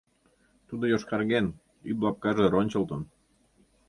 Тудо йошкарген, ӱп лапкаже рончылтын.